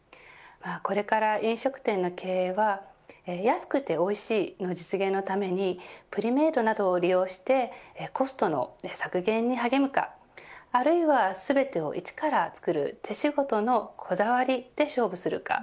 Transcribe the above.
これから飲食店の経営は安くておいしいの実現のためにプリメイドなどを利用してコストの削減に励むかあるいは全てを一から作る手仕事のこだわりで勝負するか。